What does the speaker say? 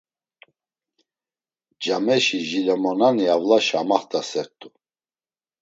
Cameşi jilemonani avlaşa amaxt̆asert̆u.